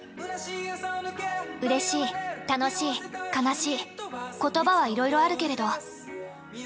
うれしい、楽しい、悲しいことばはいろいろあるけれど。